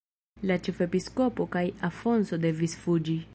La ĉefepiskopo kaj Afonso devis fuĝi.